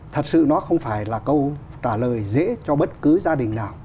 thật sự nó không phải là câu trả lời dễ cho bất cứ gia đình nào